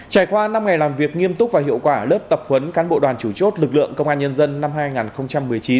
trải qua năm ngày làm việc nghiêm túc và hiệu quả lớp tập huấn cán bộ đoàn chủ chốt lực lượng công an nhân dân năm hai nghìn một mươi chín